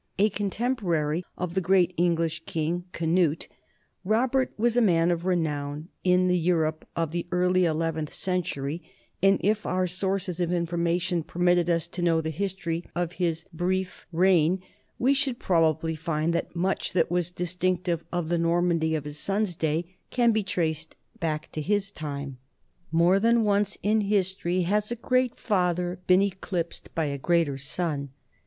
A contemporary of the great English king Canute, Robert was a man of renown in the Europe of the early eleventh century, and if our sources of in formation permitted us to know the history of his brief NORMANDY AND ENGLAND 53 reign, we should probably find that much that was dis tinctive of the Normandy of his son's day can be traced back to his time. More than once in history has a great father been eclipsed by a greater son.